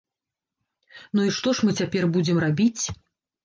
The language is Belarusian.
Ну, і што ж мы цяпер будзем рабіць?